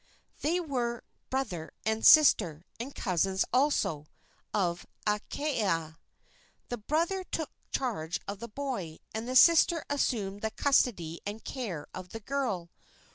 They were brother and sister, and cousins, also, of Akaaka. The brother took charge of the boy, and the sister assumed the custody and care of the girl.